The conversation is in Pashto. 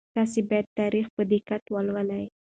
تاسي باید تاریخ په دقت ولولئ.